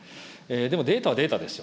でもデータはデータですよ。